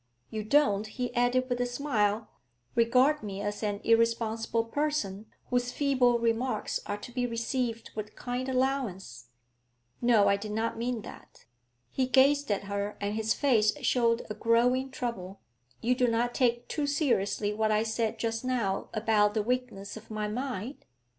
You don't,' he added with a smile, 'regard me as an irresponsible person, whose feeble remarks are to be received with kind allowance?' 'No, I did not mean that.' He gazed at her, and his face showed a growing trouble. 'You do not take too seriously what I said just now about the weakness of my mind?